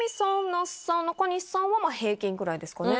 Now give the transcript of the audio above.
那須さん中西さんは平均ぐらいですかね。